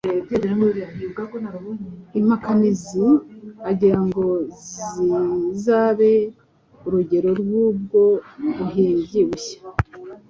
impakanizi , agira ngo kizabe urugero rw’ubwo buhimbyi bushya.